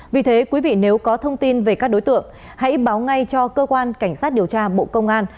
vì thế quý vị nếu có thông tin về các đối tượng hãy báo ngay cho cơ quan cảnh sát điều tra bộ công an